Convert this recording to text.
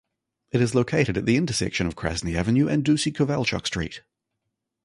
It is located at the intersection of Krasny Avenue and Dusi Kovalchuk Street.